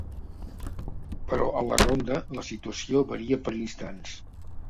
Però a la Ronda la situació varia per instants.